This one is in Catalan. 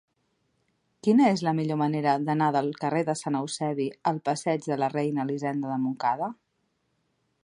Quina és la millor manera d'anar del carrer de Sant Eusebi al passeig de la Reina Elisenda de Montcada?